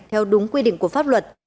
theo đúng quy định của pháp luật